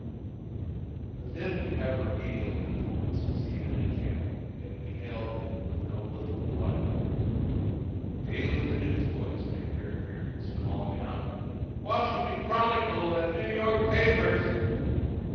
But then we have remedial influences even in camp, and we hail them with no little delight. Daily the news boys make their appearance, calling out: "Washington Chronicle and New York papers!"